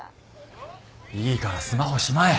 いいからスマホしまえ。